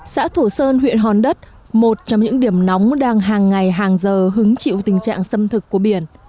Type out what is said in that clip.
xã thổ sơn huyện hòn đất một trong những điểm nóng đang hàng ngày hàng giờ hứng chịu tình trạng xâm thực của biển